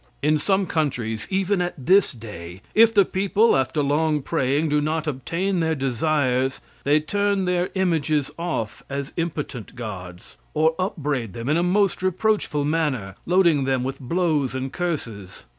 In some countries, even at this day, if the people after long praying do not obtain their desires, they turn their images off as impotent gods, or upbraid them in a most reproachful manner, loading them with blows and curses.